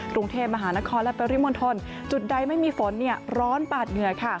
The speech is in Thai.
กรุงเทพมหานครและปริมณฑลจุดใดไม่มีฝนร้อนปาดเหงื่อค่ะ